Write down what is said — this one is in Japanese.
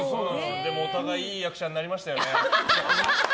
でもお互いいい役者になりましたよね。